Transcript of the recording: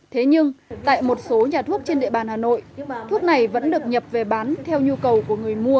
thế nhưng tại một số nhà thuốc trên địa bàn hà nội thuốc này vẫn được nhập về bán theo nhu cầu của người mua